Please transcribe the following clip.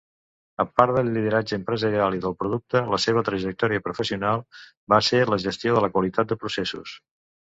A part del lideratge empresarial i del producte, la seva trajectòria professional va ser la gestió de la qualitat de processos.